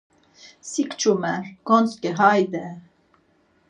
Sin kçumer gontzǩi hayde!